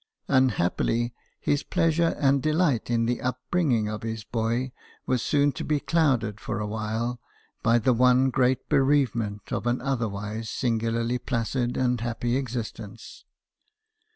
Unhappily, his pleasure and delight in the up bringing of his boy was soon to be clouded for a while by the one great bereavement of an otherwise singularly placid and happy existence.